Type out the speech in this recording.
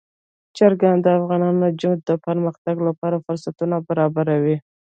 چرګان د افغان نجونو د پرمختګ لپاره فرصتونه برابروي.